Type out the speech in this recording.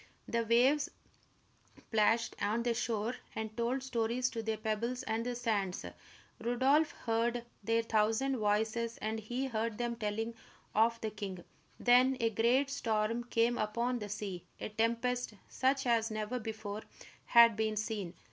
The waves plashed on the shore and told stories to the pebbles and the sands. Rodolph heard their thousand voices, and he heard them telling of the king. Then a great storm came upon the sea, a tempest such as never before had been seen.